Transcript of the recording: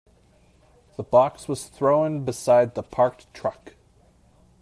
The box was thrown beside the parked truck.